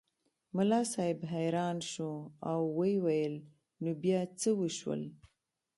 ملا صاحب حیران شو او ویې ویل نو بیا څه وشول.